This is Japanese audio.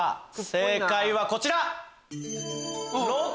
正解はこちら！